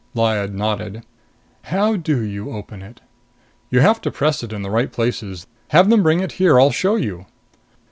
Lyad nodded. "How do you open it?" "You have to press it in the right places. Have them bring it here. I'll show you."